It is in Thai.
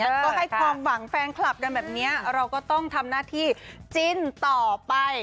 แล้วก็ให้ความหวังแฟนคลับกันแบบนี้เราก็ต้องทำหน้าที่จิ้นต่อไป